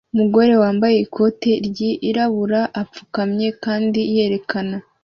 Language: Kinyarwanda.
Umugore wambaye ikoti ryirabura apfukamye kandi yerekana